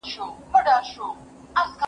سرلوړي یوازي د هغو خلکو ده چي صبر کوی.